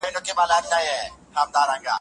په خیالي اس باندې دی سپور رادرومي